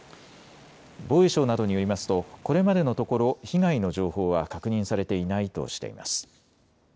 防衛省などによりますとこれまでのところ被害の情報は確認されていないとしています。